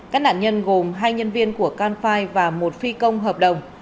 các nạn nhân gồm hai nhân viên của canfi và một phi công hợp đồng